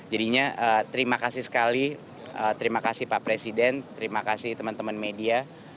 jadinya terima kasih sekali terima kasih pak presiden terima kasih teman teman media